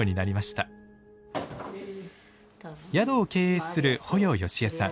宿を経営する保要佳江さん。